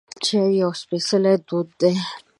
چای یو سپیڅلی دود دی.